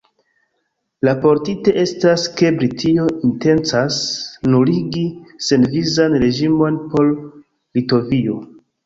Raportite estas, ke Britio intencas nuligi senvizan reĝimon por Litovio.